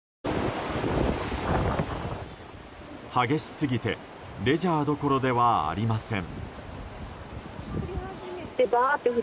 激しすぎてレジャーどころではありません。